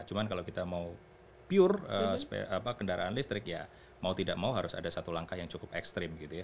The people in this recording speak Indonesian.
cuma kalau kita mau pure kendaraan listrik ya mau tidak mau harus ada satu langkah yang cukup ekstrim gitu ya